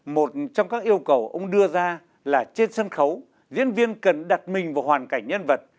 một trong các yêu cầu ông đưa ra là trên sân khấu diễn viên cần đặt mình vào hoàn cảnh nhân vật